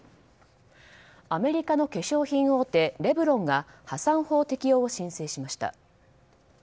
アメリカの化粧品大手レブロンが破産法適用を申請しました。